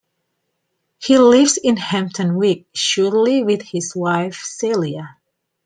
He lives in Hampton Wick, Surrey with his wife, Celia.